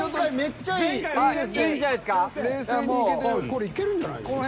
これいけるんじゃないの？